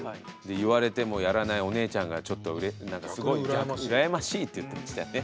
言われてもやらないお姉ちゃんがちょっとすごい羨ましいって言ってましたね。